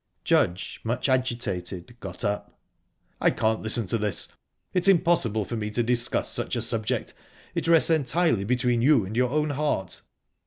Judge, much agitated, got up. "I can't listen to this. It's impossible for me to discuss such a subject. It rests entirely between you and your own heart."